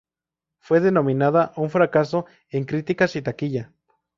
Fue denominada un fracaso en críticas y taquilla.